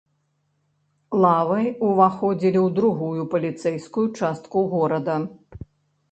Лавы ўваходзілі ў другую паліцэйскую частку горада.